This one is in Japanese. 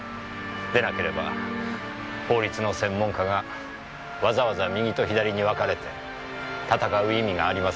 でなければ法律の専門家がわざわざ右と左に別れて戦う意味がありません。